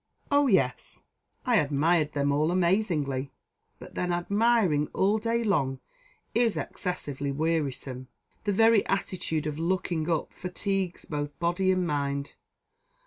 Oh! yes, I admired them all amazingly, but then admiring all day long is excessively wearisome. The very attitude of looking up fatigues both body and mind.